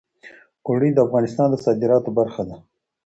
اوړي د افغانستان د صادراتو برخه ده.